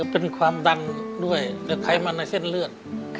เป็นความดันด้วยและไขมันในเส้นเลือด